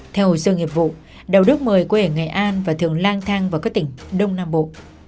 theo hồi xưa nghiệp vụ đạo đức mời quê ở nghệ an và thường lang thang vào các tỉnh đông nam bộ